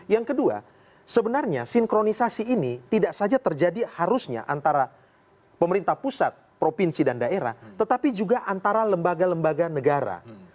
yang kedua sebenarnya sinkronisasi ini tidak saja terjadi harusnya antara pemerintah pusat provinsi dan daerah tetapi juga antara lembaga lembaga negara